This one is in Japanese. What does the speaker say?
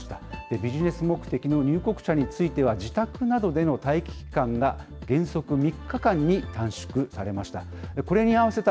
ビジネス目的の入国者については、自宅などでの待機期間が原則３日間に短縮されました。